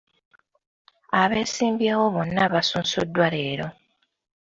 Abeesimbyewo bonna baasunsuddwa leero.